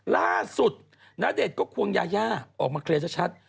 ล่าสุดณเดชน์ก็ควงยายาออกมาเคลียร์ชัด